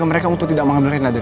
kamu gak apa apa kan